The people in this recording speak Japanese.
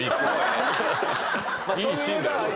いいシーンだよ。